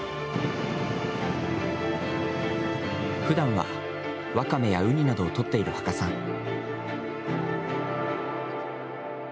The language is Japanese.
ふだんは、ワカメやウニなどを取っている芳賀さん。